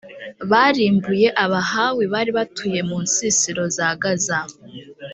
barimbuye abahawi bari batuye mu nsisiro za gaza,